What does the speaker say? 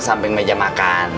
samping meja makan